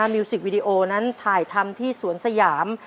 มิวสิกวิดีโอนั้นถ่ายทำที่สวนสยาม